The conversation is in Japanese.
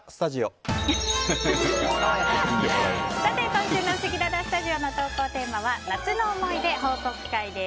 今週のせきららスタジオの投稿テーマは夏の思い出報告会です。